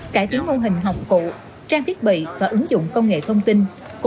cải thiến mô hình hồng cụ trang thiết bị và ứng dụng công nghệ thông tin